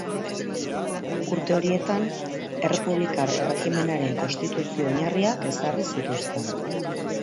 Urte horietan errepublikar errejimenaren konstituzio-oinarriak ezarri zituzten.